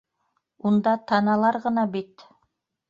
Унда таналар ғына бит!